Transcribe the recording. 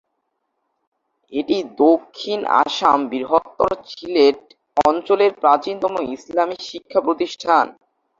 এটি দক্ষিণ আসাম-বৃহত্তর সিলেট অঞ্চলের প্রাচীনতম ইসলামী শিক্ষা প্রতিষ্ঠান।